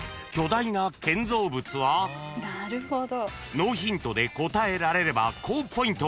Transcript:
［ノーヒントで答えられれば高ポイント］